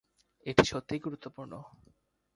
এটা সত্যিই গুরুত্বপূর্ণ।